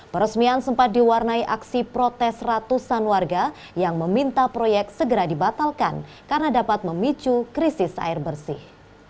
peresmian sempat diwarnai aksi protes ratusan warga yang meminta proyek segera dibatalkan karena dapat memicu krisis air bersih